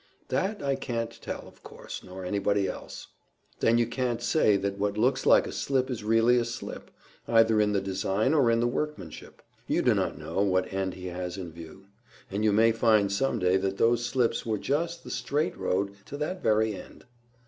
"That I can't tell, of course, nor anybody else." "Then you can't say that what looks like a slip is really a slip, either in the design or in the workmanship. You do not know what end He has in view; and you may find some day that those slips were just the straight road to that very end."